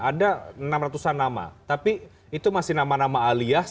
ada enam ratusan nama tapi itu masih nama nama alias